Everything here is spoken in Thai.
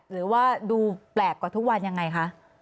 หรือว่าดูแปลกกว่าทุกวันยังไงคะ